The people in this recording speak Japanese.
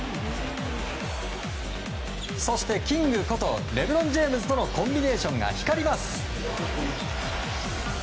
そして、キングことレブロン・ジェームズとのコンビネーションが光ります。